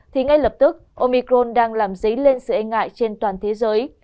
thì ngay lập tức omicron đang làm dấy lên sự e ngại trên toàn thế giới